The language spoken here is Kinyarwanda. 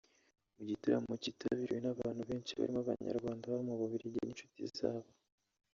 Mu gitaramo cyitabiriwe n’abantu benshi barimo Abanyarwanda baba mu Bubiligi n’inshuti zabo